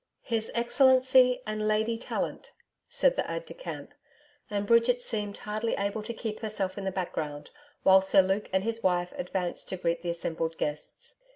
'His Excellency and Lady Tallant,' said the aide de camp, and Bridget seemed hardly able to keep herself in the background while Sir Luke and his wife advanced to greet the assembled guests.